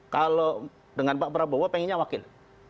kalau dengan pak prabowo pengennya wakil